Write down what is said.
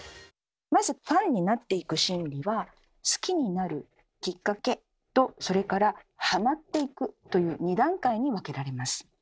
まずファンになっていく心理は好きになる「きっかけ」とそれから「ハマっていく」という２段階に分けられます。